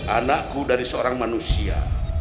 anakku dari seorang manusia